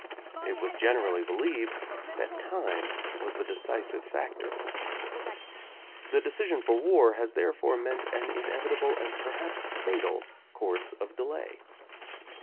It was generally believed that time was the decisive factor. The decision for war has therefore meant an inevitable and perhaps fatal course of delay.